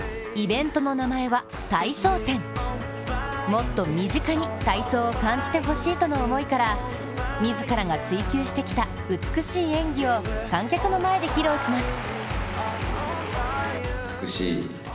もっと身近に体操を感じてほしいとの思いから自らが追及してきた美しい演技を観客の前で披露します。